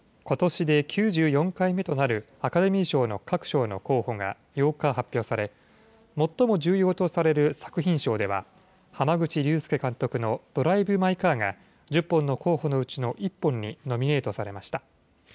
ことしで９４回目となるアカデミー賞の各賞の候補が、８日発表され、最も重要とされる作品賞では、濱口竜介監督のドライブ・マイ・カーが、１０本の候補のうちの１本にノミネートされました。